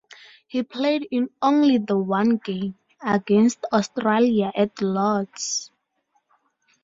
He played in only the one game, against Australia at Lord's.